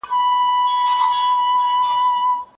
تاسي باید خپل ځان ته د شکر هیله ورکړئ.